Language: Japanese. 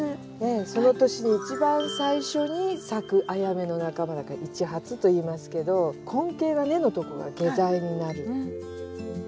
その年に一番最初に咲くアヤメの仲間だからイチハツといいますけど根茎が根のとこが下剤になる。